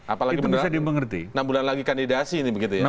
apalagi enam bulan lagi kandidasi ini begitu ya